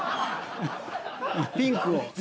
ピンクを。